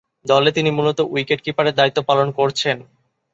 দলে তিনি মূলতঃ উইকেট-কিপারের দায়িত্ব পালন করছেন।